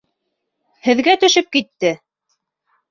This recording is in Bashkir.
Һеҙгә төшөп китте!